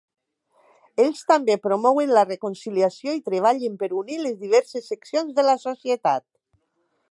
Ells també promouen la reconciliació i treballen per unir les diverses seccions de la societat.